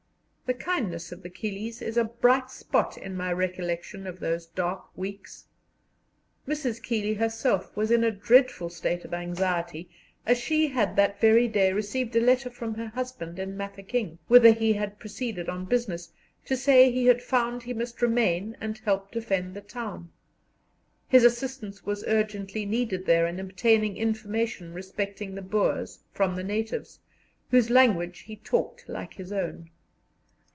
The kindness of the Keeleys is a bright spot in my recollections of those dark weeks. Mrs. Keeley herself was in a dreadful state of anxiety, as she had that very day received a letter from her husband in Mafeking, whither he had proceeded on business, to say he found he must remain and help defend the town; his assistance was urgently needed there in obtaining information respecting the Boers from the natives, whose language he talked like his own.